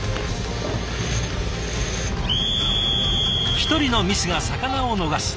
一人のミスが魚を逃す。